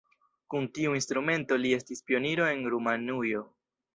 Kun tiu instrumento li estis pioniro en Rumanujo.